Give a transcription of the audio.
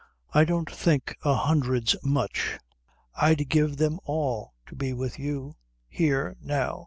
"I don't think a hundred's much. I'd give them all to be with you. Here. Now.